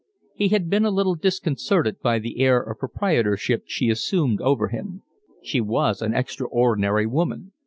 He had been a little disconcerted by the air of proprietorship she assumed over him. She was an extraordinary woman.